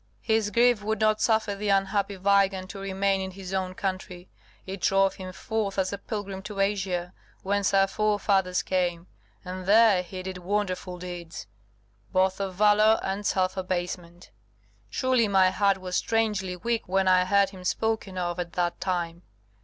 His grief would not suffer the unhappy Weigand to remain in his own country. It drove him forth as a pilgrim to Asia, whence our forefathers came, and there he did wonderful deeds, both of valour and self abasement. Truly, my heart was strangely weak when I heard him spoken of at that time.